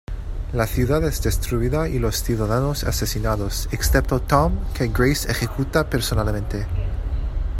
La ciudad es destruida y los ciudadanos asesinados, excepto Tom, que Grace ejecuta personalmente.